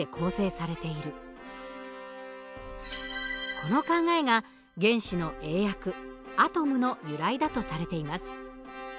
この考えが原子の英訳アトムの由来だとされています。